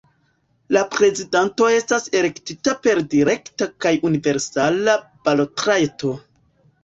La prezidento estas elektita per direkta kaj universala balotrajto.